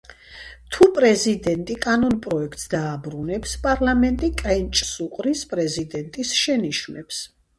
თუ პრეზიდენტი კანონპროექტს დააბრუნებს, პარლამენტი კენჭს უყრის პრეზიდენტის შენიშვნებს.